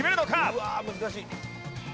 うわ難しい。